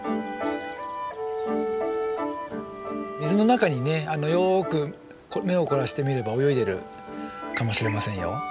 水の中にねよく目を凝らして見れば泳いでるかもしれませんよ。